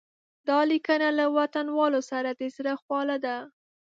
دا لیکنه له وطنوالو سره د زړه خواله ده.